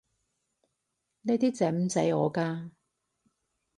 呢啲整唔死我㗎